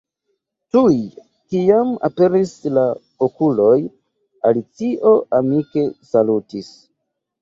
Tuj kiam aperis la okuloj, Alicio amike salutis.